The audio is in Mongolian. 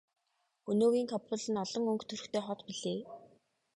Өнөөгийн Кабул нь олон өнгө төрхтэй хот билээ.